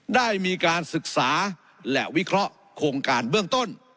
ได้มีการศึกษาและวิเคราะห์โครงการเบื้องต้น